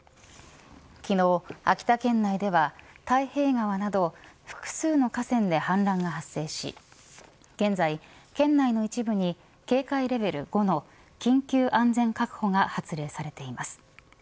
昨日、秋田県内では太平川など複数の河川で氾濫が発生し現在県内の一部に警戒レベル５の緊急安全確保が発令されています。